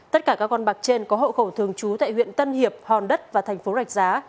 tất cả các con bạc trên có hậu khẩu thường trú tại huyện tân hiệp hòn đất và thành phố rạch giá